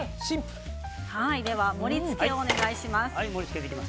盛り付けをお願いします。